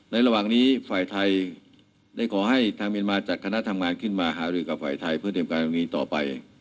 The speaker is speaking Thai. ระหว่างนี้ฝ่ายไทยได้ขอให้ทางเมียนมาจัดคณะทำงานขึ้นมาหารือกับฝ่ายไทยเพื่อเตรียมการตรงนี้ต่อไป